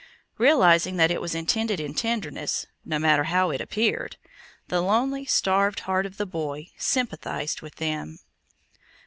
Realizing that it was intended in tenderness, no matter how it appeared, the lonely, starved heart of the boy sympathized with them.